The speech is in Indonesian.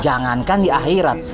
jangankan di akhirat